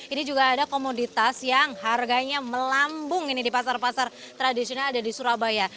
ini juga ada komoditas yang harganya melambung ini di pasar pasar tradisional ada di surabaya